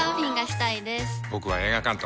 僕は映画監督。